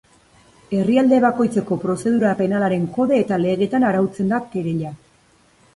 Herrialde bakoitzeko prozedura penalaren kode eta legeetan arautzen da kereila.